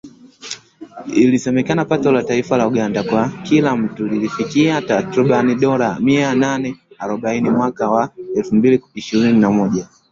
Ilisema pato la taifa la Uganda kwa kila mtu lilifikia takriban dola mia nane arobaini mwaka wa elfu mbili ishirini na moja